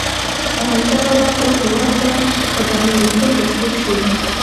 احمدشاه بابا خپل هېواد ته په بریالیتوب راستون شو.